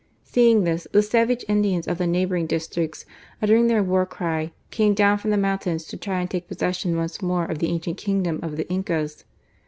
Seeing this, the savage Indians of the neighbouring districts, uttering their war cry, came down from the mountains to try and take possession once more of the ancient kingdom of the Incas.